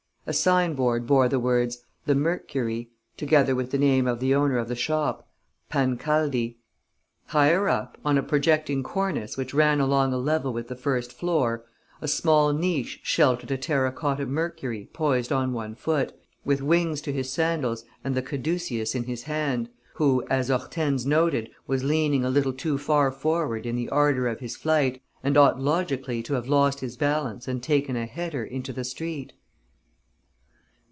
A sign board bore the words "The Mercury," together with the name of the owner of the shop, "Pancaldi." Higher up, on a projecting cornice which ran on a level with the first floor, a small niche sheltered a terra cotta Mercury poised on one foot, with wings to his sandals and the caduceus in his hand, who, as Hortense noted, was leaning a little too far forward in the ardour of his flight and ought logically to have lost his balance and taken a header into the street.